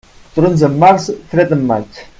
Trons en març, fred en maig.